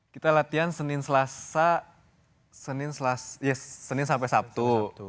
kita latihan senin selasa ya senin sampai sabtu